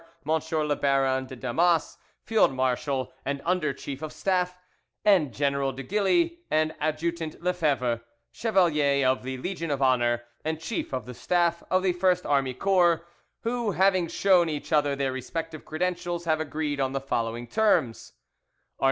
M. le Baron de Damas, Field Marshal and Under Chief of Staff, and General de Gilly and Adjutant Lefevre, Chevalier of the Legion of Honour, and Chief of the Staff of the first Army Corps; who, having shown each other their respective credentials, have agreed on the following terms:— "Art.